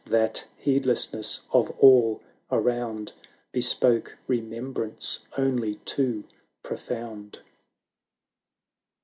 that heedlessness of all around Bespoke remembrance only too pro found.